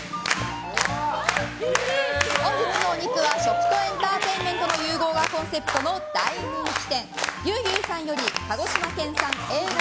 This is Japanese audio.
本日のお肉は、食とエンターテインメントの融合がコンセプトの大人気店牛牛さんより鹿児島県産Ａ５